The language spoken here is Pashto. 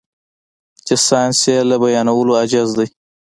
چې ساينس يې له بيانولو عاجز دی.